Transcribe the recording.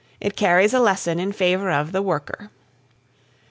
It carries a lesson in favour of the worker.